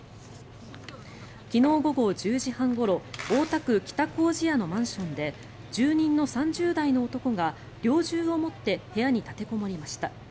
昨日午後１０時半ごろ大田区北糀谷のマンションで住人の３０代の男が猟銃を持って部屋に立てこもりました。